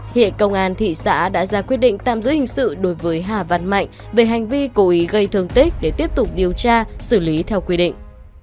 hiện công an thị xã đã ra quyết định tạm giữ hình sự đối với hà văn mạnh về hành vi cố ý gây thương tích để tiếp tục điều tra xử lý theo quy định